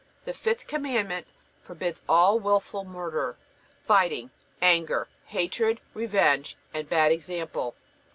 The fifth Commandment forbids all wilful murder, fighting, anger, hatred, revenge, and bad example.